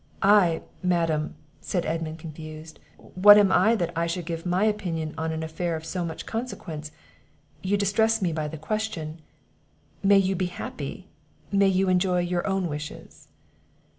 "I, Madam!" said Edmund, confused; "what am I that I should give my opinion on an affair of so much consequence? You distress me by the question. May you be happy! may you enjoy your own wishes!"